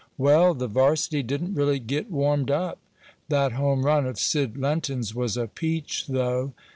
"Well, the varsity didn't really get warmed up." "That home run of Sid Lenton's was a peach, though!"